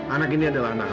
anak ini adalah anak aku